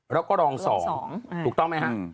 แล้วก็รอง๒ถูกต้องไหมฮะ